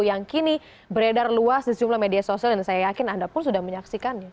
yang kini beredar luas di sejumlah media sosial dan saya yakin anda pun sudah menyaksikannya